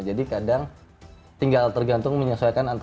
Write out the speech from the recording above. jadi kadang tinggal tergantung menyesuaikan mereka